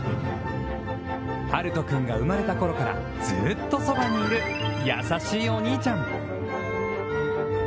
暖大君が生まれたころからぞーとそばにいる優しいお兄ちゃん。